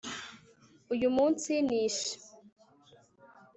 uyu munsi, nishe